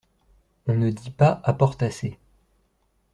On ne dit pas apportasser.